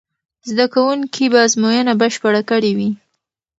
زده کوونکي به ازموینه بشپړه کړې وي.